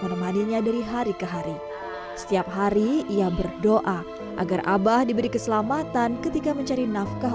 menemaninya dari hari ke hari setiap hari ia berdoa agar abah diberi keselamatan ketika mencari nafkah